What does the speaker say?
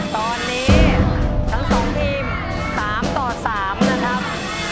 ตอนนี้ทั้ง๒ทีม๓ต่อ๓นะครับ